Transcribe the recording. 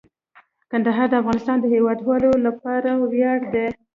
کندهار د افغانستان د هیوادوالو لپاره ویاړ دی.